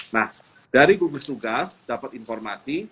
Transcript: nah dari gugus tugas dapat informasi